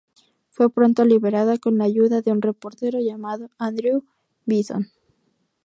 Fue pronto liberada con la ayuda de un reportero llamado Andrew Vinson.